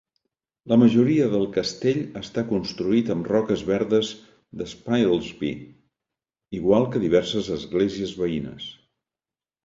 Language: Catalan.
La majoria del castell està construït amb roques verdes de Spilsby, igual que diverses esglésies veïnes.